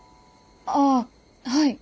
ああはい。